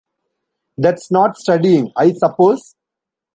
That's not studying, I suppose?